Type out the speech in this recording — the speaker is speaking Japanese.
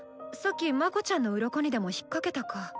さっきまこちゃんのうろこにでも引っ掛けたか。